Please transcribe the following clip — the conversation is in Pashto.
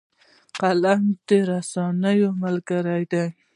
قلم د رسنیو ملګری دی